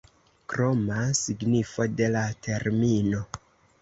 Kroma signifo de la termino.